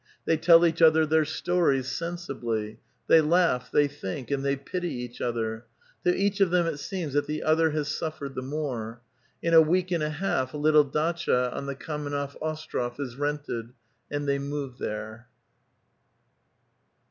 Tlioy tell each other their stories sensibly ; they laugh, they think, and they pity each other. To each ol* them it seems that the other hns suf fered the more. In a week and a half a little datcha on the Kamennoi' Ostrof is reuted, and they move there.